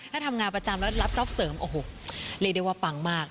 ถ้าทำงานประจำแล้วระดับใส่เสริมโอโหรีดีวาปังมาก